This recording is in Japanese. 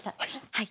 はい。